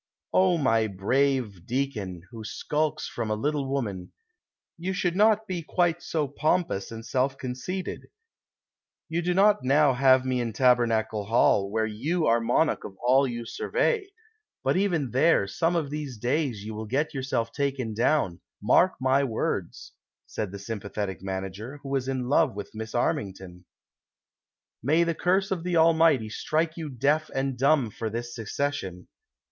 "O my brave (?) deacon, who skulks from a little woman, you should not be quite so pompous and self con ceited ; you do not now have me in Tabernacle Hall, where you are monarch of all you survey ; but even there, some of these days you will get yourself taken down, mark my words," said the sympathetic manager, who was in love with Miss xlrmington. "]May the curse of the Almighty strike you deaf and dumb for tliis secession